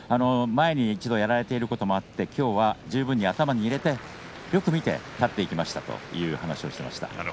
前に一度やられていることもあって、きょうは十分に頭に入れてよく見て立っていきましたという話をしていました。